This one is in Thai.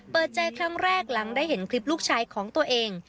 เปิดใจครั้งแรกหลังได้เห็นคลิปลูกชายของตัวเอง